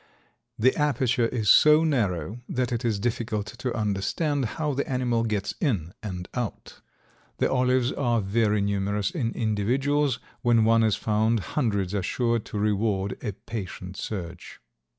The aperture is so narrow that it is difficult to understand how the animal gets in and out. The olives are very numerous in individuals; when one is found hundreds are sure to reward a patient search.